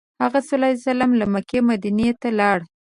هغه ﷺ له مکې مدینې ته لاړ.